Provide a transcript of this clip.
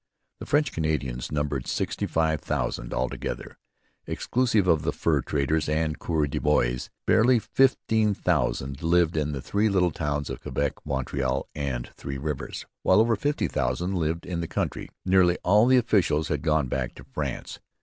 The French Canadians numbered sixty five thousand altogether, exclusive of the fur traders and coureurs de bois. Barely fifteen thousand lived in the three little towns of Quebec, Montreal, and Three Rivers; while over fifty thousand lived in the country. Nearly all the officials had gone back to France.